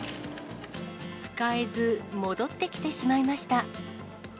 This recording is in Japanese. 使えず、戻ってきてしまいました。